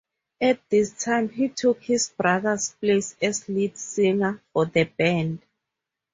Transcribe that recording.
At this time, he took his brother's place as lead singer for the band.